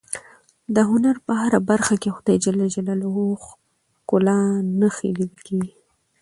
د هنر په هره برخه کې د خدای ج د ښکلا نښې لیدل کېږي.